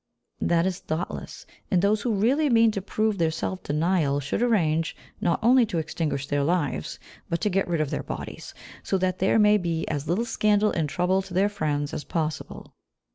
That is thoughtless; and those who really mean to prove their self denial should arrange, not only to extinguish their lives, but to get rid of their bodies, so that there may be as little scandal and trouble to their friends as possible.